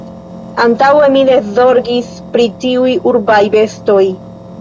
Antaŭe, mi ne zorgis pri tiuj urbaj bestoj...